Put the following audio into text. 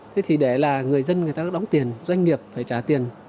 thế thì để là người dân người ta đóng tiền doanh nghiệp phải trả tiền